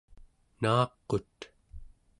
naaqut